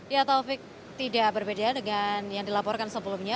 ya taufik tidak berbeda dengan yang dilaporkan sebelumnya